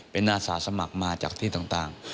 เป็นอาสาสมัครมาจากที่ต่าง